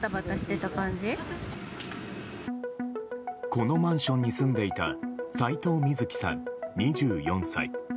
このマンションに住んでいた斎藤瑞希さん、２４歳。